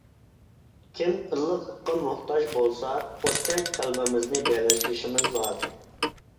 كىم ئىللىقلىققا موھتاج بولسا، ئوتتەك قەلبىمىزنى بېغىشلىشىمىز لازىم.